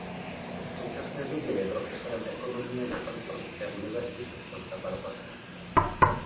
V současné době je profesorem ekonomie na Kalifornské univerzitě v Santa Barbaře.